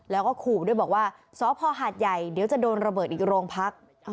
แล้วก็ขู่ด้วยบอกว่าสพหาดใหญ่เดี๋ยวจะโดนระเบิดอีกโรงพัก